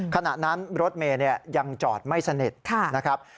ขณะนั้นรถเมย์ยังจอดไม่สนิทนะครับ